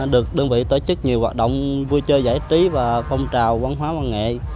được đơn vị tổ chức nhiều hoạt động vui chơi giải trí và phong trào văn hóa văn nghệ